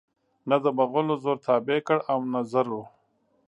نه دمغلو زور تابع کړ او نه زرو